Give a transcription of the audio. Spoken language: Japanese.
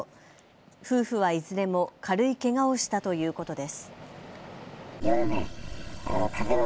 夫婦はいずれも軽いけがをしたということです。